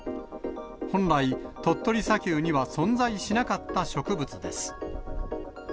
本来、鳥取砂丘には存在しなかった植物です。